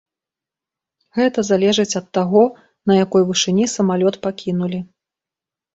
Гэта залежыць ад таго, на якой вышыні самалёт пакінулі.